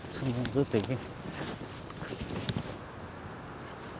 ずっと行け。